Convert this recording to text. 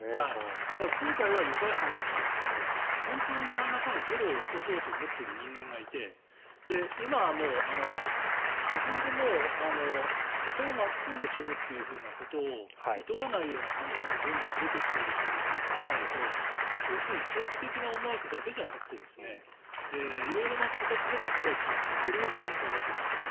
今回は愉快犯だったんですけど本当に、なんらかのテロを起こそうとしている人間がいて今はもう、自分で人を巻き込んで死ぬっていうことをいとわないような犯罪もどんどん出てきていることを考えると要するに政治的な思惑だけじゃなくて色々な形でのテロっていうのは起こり得る状況だと思うんですね。